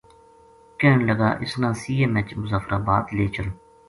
کہن لگا اس نا سی ایم ایچ مظفرآباد لے چلوں